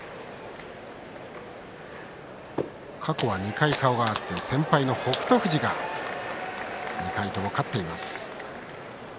過去２回顔が合って先輩の北勝富士が２回とも勝っています。